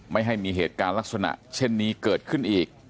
ไม่ให้มีเหตุการณ์ลักษณะเช่นนี้เกิดขึ้นอีก